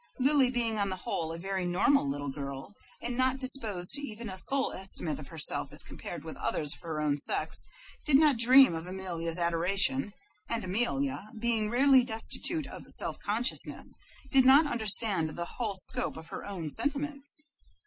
Lily, being on the whole a very normal little girl, and not disposed to even a full estimate of herself as compared with others of her own sex, did not dream of Amelia's adoration, and Amelia, being rarely destitute of self consciousness, did not understand the whole scope of her own sentiments.